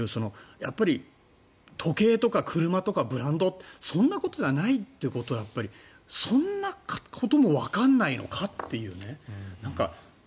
やっぱり時計とか車とかブランドそんなことじゃないということそんなこともわからないのかっていうね。